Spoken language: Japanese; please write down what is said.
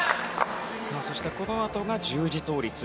そしてこのあとが十字倒立。